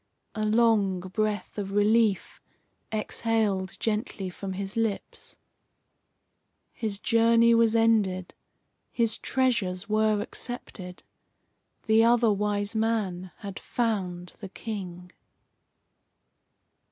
A long breath of relief exhaled gently from his lips. His journey was ended. His treasures were accepted. The Other Wise Man had found the King.